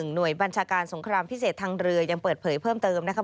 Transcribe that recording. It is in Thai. หน่วยบัญชาการสงครามพิเศษทางเรือยังเปิดเผยเพิ่มเติมนะครับ